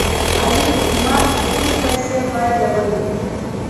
علي په قمار کې ټولې پیسې بایلولې.